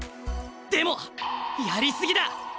でもやりすぎだ！